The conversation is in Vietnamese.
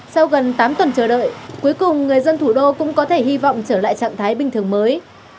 sau gần tám tuần chờ đợi cuối cùng người dân thủ đô cũng có thể hy vọng trở lại trạng thái bình thường mới